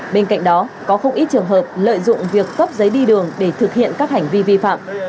bên cạnh đó có không ít trường hợp lợi dụng việc cấp giấy đi đường để thực hiện các hành vi vi phạm